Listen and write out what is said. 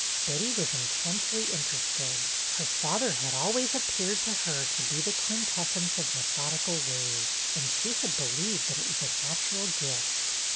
Betty was intensely interested. Her father had always appeared to her to be the quintessence of methodical ways, and she had believed that it was a natural gift.